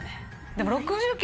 でも。